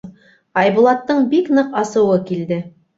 Айбулаттың бик ныҡ асыуы килде.